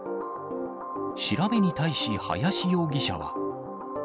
調べに対し、林容疑者は。